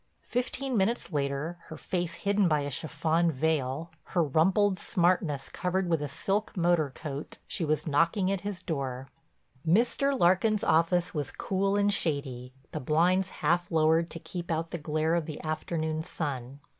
Fifteen minutes later, her face hidden by a chiffon veil, her rumpled smartness covered with a silk motor coat, she was knocking at his door. Mr. Larkin's office was cool and shady, the blinds half lowered to keep out the glare of the afternoon sun.